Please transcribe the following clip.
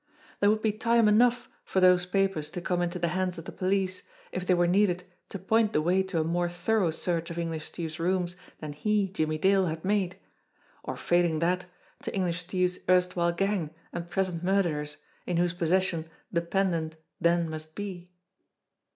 There would be time enough for those papers to come into the hands of the police if they were needed to point the way to a more thorough search of English Steve's rooms than he, Jimmie Dale, had made; or failing that, to English Steve's erstwhile gang and present mur derers in whose possession the pendant then must be.